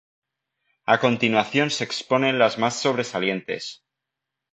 A continuación se exponen las más sobresalientes.